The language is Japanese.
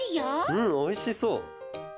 うんおいしそう！